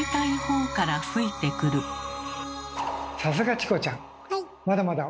さすがチコちゃん。